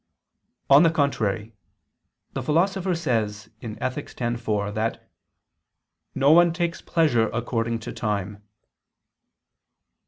On the contrary, The Philosopher says (Ethic. x, 4) that "no one takes pleasure according to time."